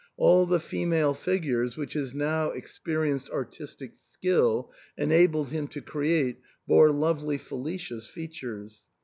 All the female figures which his now experienced artistic skill enabled him to create bore lovely Felicia's features.